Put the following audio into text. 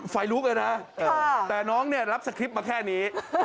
ไฟลุกเลยนะแต่น้องเนี่ยรับสคริปต์มาแค่นี้